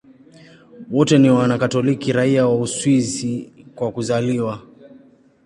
Wote ni Wakatoliki raia wa Uswisi kwa kuzaliwa.